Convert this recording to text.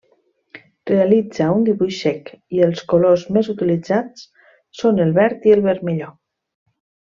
Realitza un dibuix sec i els colors més utilitzats són el verd i el vermelló.